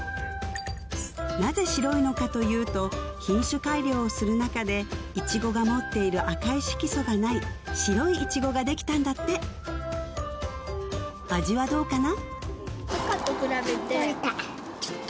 なぜ白いのかというと品種改良をする中でイチゴが持っている赤い色素がない白いイチゴができたんだって味はどうかな？